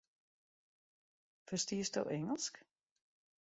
Ferstiesto Ingelsk?